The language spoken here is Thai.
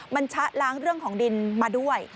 มันชะล้างเรื่องของดินมาด้วย